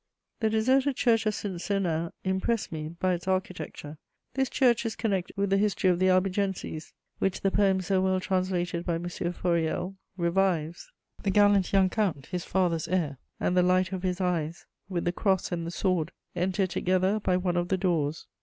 The deserted Church of St. Sernin impressed me by its architecture. This church is connected with the history of the Albigenses, which the poem so well translated by M. Fauriel revives: "The gallant young count, his father's heir and the light of his eyes, with the cross and the sword, enter together by one of the doors.